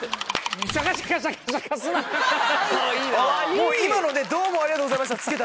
もう今ので「どうもありがとうございました」